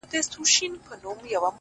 ځمه ويدېږم ستا له ياده سره شپې نه كوم-